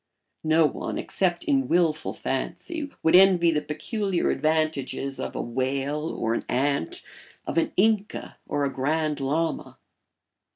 No one, except in wilful fancy, would envy the peculiar advantages of a whale or an ant, of an Inca or a Grand Lama.